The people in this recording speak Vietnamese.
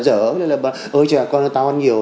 dở như là ôi chà con tao ăn nhiều